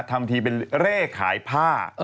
ทำทีเป็นเร่ขายผ้า